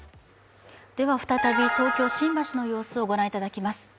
再び、東京・新橋の様子をご覧いただきます。